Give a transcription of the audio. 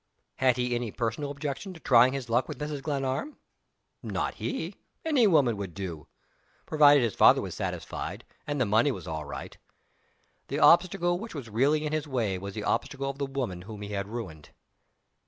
Had he any personal objection to trying his luck with Mrs. Glenarm? Not he! Any woman would do provided his father was satisfied, and the money was all right. The obstacle which was really in his way was the obstacle of the woman whom he had ruined.